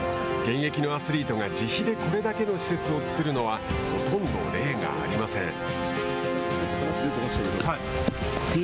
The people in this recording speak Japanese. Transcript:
現役のアスリートが自費でこれだけの施設を作るのはほとんど例がありません。